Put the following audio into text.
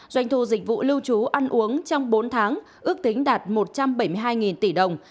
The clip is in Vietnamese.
doanh thu dịch vụ lưu trú ăn uống trong bốn tháng ước tính đạt một trăm bảy mươi hai tỷ đồng